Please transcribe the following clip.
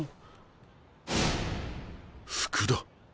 福田。